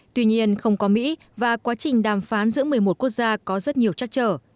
tuy nhiên không có mỹ và quá trình đàm phán giữa một mươi một quốc gia có rất nhiều chắc trở